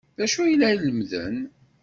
D acu ay la lemmden?